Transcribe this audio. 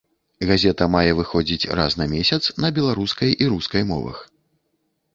Газета мае выходзіць раз на месяц на беларускай і рускай мовах.